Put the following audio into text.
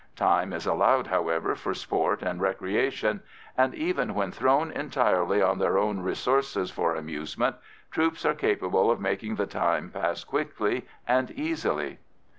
Time is allowed, however, for sport and recreation, and, even when thrown entirely on their own resources for amusement, troops are capable of making the time pass quickly and easily.